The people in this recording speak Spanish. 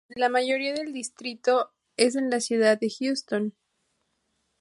La mayoría del distrito es en la Ciudad de Houston.